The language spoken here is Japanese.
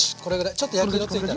ちょっと焼き色ついたら。